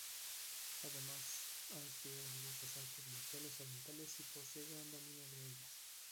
Además, ha estudiado diversas artes marciales orientales y posee gran dominio de ellas.